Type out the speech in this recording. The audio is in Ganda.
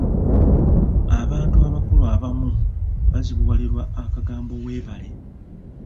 Abantu abakulu abamu bazibuwalirwa akagambo weebale.